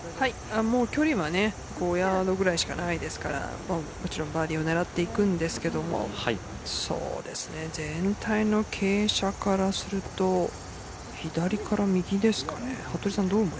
距離は５ヤードぐらいしかないですからもちろんバーディーを狙っていくんですけれども全体の傾斜からすると左から右ですかね。